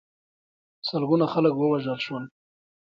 سلګونه خلک ووژل شول.